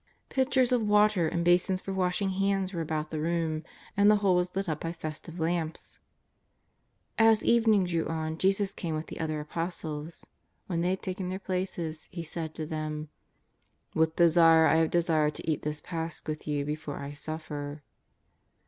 Pitchers of water and basins for washing hands were about the room, and the whole was lit up by fes tive lamps. As evening drew on Jesus came with the other Apos tles. When they had taken their places He said to them: " With desire I have desired to eat this Pasch with you before I suffer."